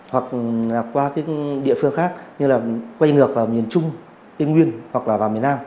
hoặc là qua địa phương khác nhưng là quay ngược vào miền trung miền nguyên hoặc là vào miền nam